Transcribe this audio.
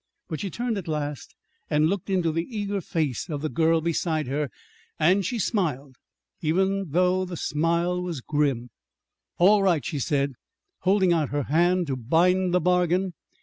But she turned at last and looked into the eager face of the girl beside her, and she smiled, though even the smile was grim. "All right," she said, holding out her hand to bind the bargain.